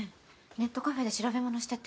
ネットカフェで調べものしてて。